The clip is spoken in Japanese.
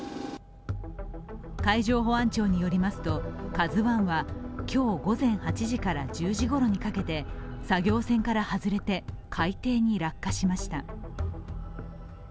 海上保安庁によりますと「ＫＡＺＵⅠ」は今日午前８時から１０時ごろにかけて作業船から外れて海底に落下しました。